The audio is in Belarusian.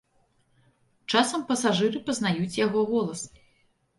Часам пасажыры пазнаюць яго голас.